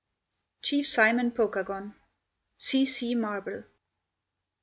] CHIEF SIMON POKAGON. C. C. MARBLE.